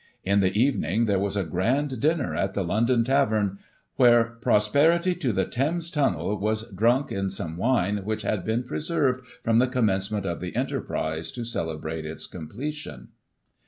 In the evening there was a grand dinner at the " London Tavern," where "Prosperity to the Thames Tupnel" was drunk in some wine which had been preserved from the com mencement of the enterprise, to celebrate its completion.